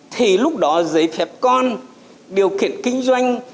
thì lúc đó giấy phép con điều kiện kinh doanh